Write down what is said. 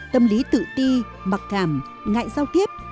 tâm lý tự ti mặc cảm ngại giao tiếp